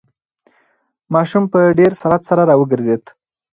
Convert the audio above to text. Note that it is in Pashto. ماشوم په ډېر سرعت سره راوگرځېد.